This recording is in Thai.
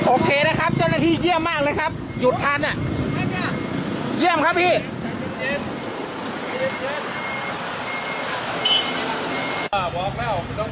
โอเคนะครับเจ้าหน้าที่เยี่ยมมากเลยครับหยุดทันเยี่ยมครับพี่